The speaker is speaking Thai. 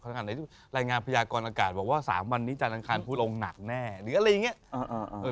ขณะที่รายงานพยากรอากาศบอกว่า๓วันนี้จานอังคารผู้ลงหนักแน่หรืออะไรอย่างนี้